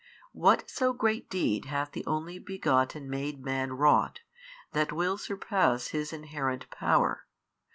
What so great deed hath the Only Begotten made Man wrought, that will surpass His inherent Power?